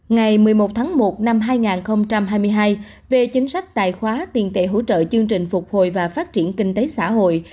ngày một mươi một tháng một năm hai nghìn hai mươi hai về chính sách tài khóa tiền tệ hỗ trợ chương trình phục hồi và phát triển kinh tế xã hội